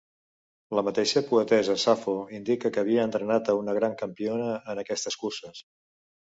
La mateixa poetessa Safo indica que havia entrenat a una gran campiona en aquestes curses.